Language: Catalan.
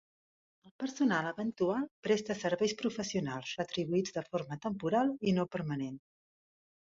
El personal eventual presta serveis professionals, retribuïts de forma temporal i no permanent.